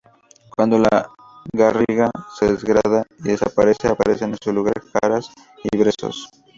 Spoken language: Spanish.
Cuando la garriga se degrada y desaparece, aparecen en su lugar jaras y brezos.